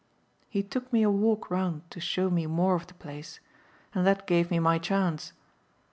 He took me a walk round to show me more of the place, and that gave me my chance.